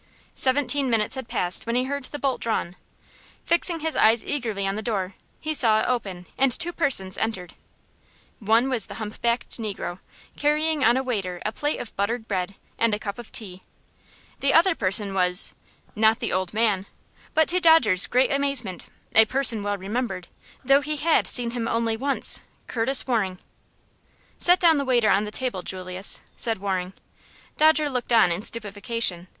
Seventeen minutes had passed when he heard the bolt drawn. Fixing his eyes eagerly on the door he saw it open, and two persons entered. One was the hump backed negro, carrying on a waiter a plate of buttered bread, and a cup of tea; the other person was not the old man, but, to Dodger's great amazement, a person well remembered, though he had only seen him once Curtis Waring. "Set down the waiter on the table, Julius," said Waring. Dodger looked on in stupefaction.